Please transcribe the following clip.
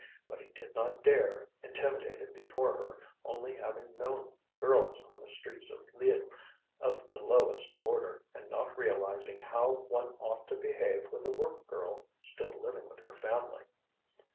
But he did not dare, intimidated before her, only having known girls on the streets at Lille of the lowest order, and not realizing how one ought to behave with a work girl still living with her family.